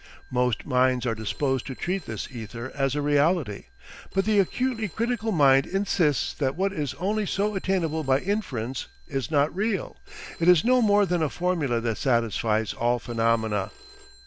Most minds are disposed to treat this ether as a reality. But the acutely critical mind insists that what is only so attainable by inference is not real; it is no more than "a formula that satisfies all phenomena."